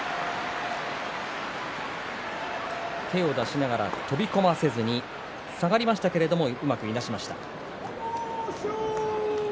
手を出しながら飛び込ませずに下がりましたけれどもうまくいなしました。